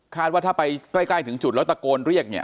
ว่าถ้าไปใกล้ถึงจุดแล้วตะโกนเรียกเนี่ย